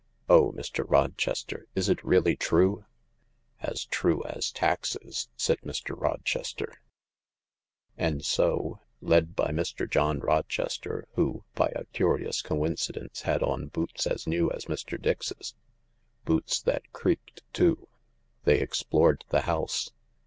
" Oh, Mr, Roches ter, is it really true ?"" As true as taxes," said Mr. Rochester. *•■•«• And so, led by Mr. John Rochester, who by a curious coincidence had on boots as new as Mr. Dix's — boots that creaked too — they explored the house.